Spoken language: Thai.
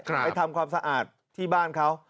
ไปทำความสะอาดที่บ้านเขา